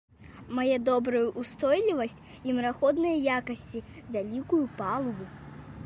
Мае добрую ўстойлівасць і мараходныя якасці, вялікую палубу.